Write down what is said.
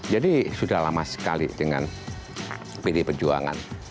jadi sudah lama sekali dengan pdi perjuangan